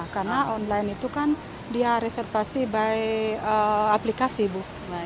karena online itu kan dia reservasi by aplikasi bu